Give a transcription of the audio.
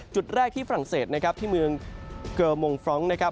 จุดแรกที่ฝรั่งเศสนะครับที่เมืองเกอร์มงฟรองก์นะครับ